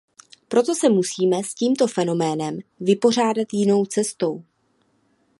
Proto se musíme s tímto fenoménem vypořádat jinou cestou.